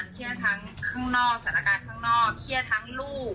อ๋อดีอ่ะจริง